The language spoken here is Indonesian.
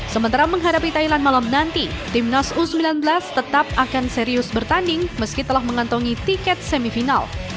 sementara menghadapi thailand malam nanti timnas u sembilan belas tetap akan serius bertanding meski telah mengantongi tiket semifinal